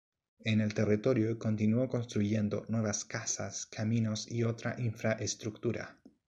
En el territorio continuó construyendo nuevas casas, caminos y otra infraestructura.